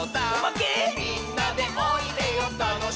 「みんなでおいでよたのしいよ」